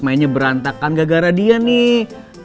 mainnya berantakan gara gara dia nih